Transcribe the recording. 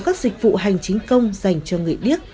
có rất nhiều các dịch vụ hành chính công dành cho người điếc